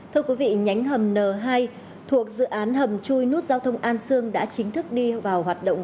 thưa quý vị nhánh hầm n hai thuộc dự án hầm chui nút giao thông an sương đã chính thức đi vào hoạt động